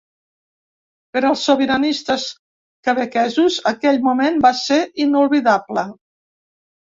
Per als sobiranistes quebequesos, aquell moment va ser inoblidable.